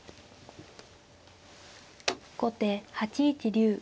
後手８一竜。